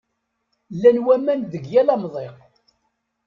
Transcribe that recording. Llan waman deg yal amḍiq.